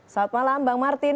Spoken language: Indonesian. selamat malam bang martin